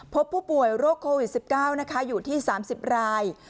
พบผู้ป่วยโรคโควิด๑๙นะคะอยู่ที่๓๐ราย